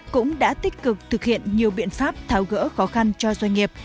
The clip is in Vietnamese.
cũng đã tích cực thực hiện nhiều biện pháp tháo gỡ khó khăn cho doanh nghiệp